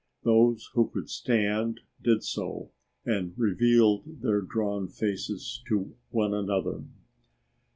Those who could stand did so and revealed their drawn faces to one another.